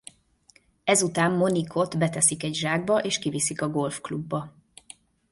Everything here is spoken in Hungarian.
Ezután Monique-ot beteszik egy zsákba és kiviszik a Golf klubba.